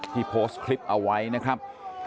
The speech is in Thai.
โพสต์คลิปเอาไว้นะครับ